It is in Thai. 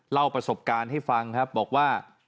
เล่าประสบการณ์ให้ฟังครับบอกว่า